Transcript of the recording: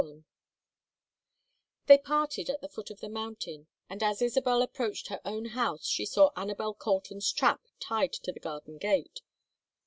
XXXI They parted at the foot of the mountain, and as Isabel approached her own house she saw Anabel Colton's trap tied to the garden gate.